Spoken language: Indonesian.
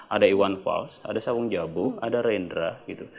ada iwan fals ada saung jabu ada rendra gitu